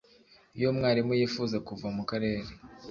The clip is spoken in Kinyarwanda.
Iyo umwarimu yifuza kuva mu Karere